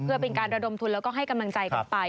เพื่อเป็นการระดมทุนแล้วก็ให้กำลังใจกันไป